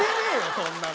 そんなの。